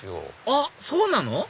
あっそうなの？